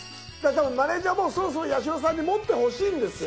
多分マネージャーもそろそろ八代さんに持ってほしいんですよ。